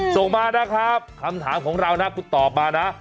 ส่งมานะครับคำถามของเรานะคุณตอบมานะ